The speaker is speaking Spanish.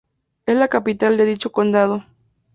Es la capital de dicho condado.